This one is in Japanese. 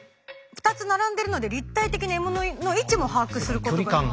２つ並んでるので立体的な獲物の位置も把握することができると。